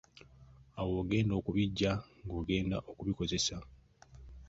Awo w'ogenda okubijja ng‘ogenda okubikozesa.